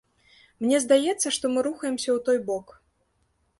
Мне здаецца, што мы рухаемся ў той бок.